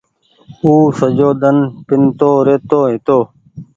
او سجو ۮن پينتو رهيتو هيتو۔